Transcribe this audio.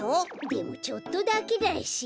でもちょっとだけだし。